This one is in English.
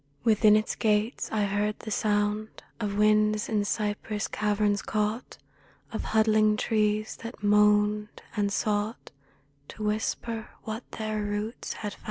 Within its gates I heard the sound Of winds in cypress caverns caught Of huddling trees that moaned, and sought To whisper what their roots had found.